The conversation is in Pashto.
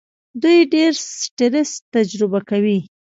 دوی ډېر سټرس تجربه کوي.